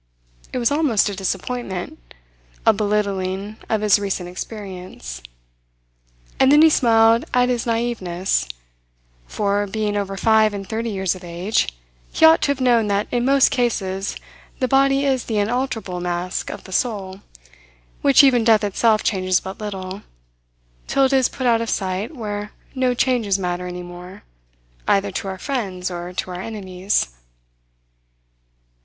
It was almost a disappointment a belittling of his recent experience. And then he smiled at his naiveness; for, being over five and thirty years of age, he ought to have known that in most cases the body is the unalterable mask of the soul, which even death itself changes but little, till it is put out of sight where no changes matter any more, either to our friends or to our enemies.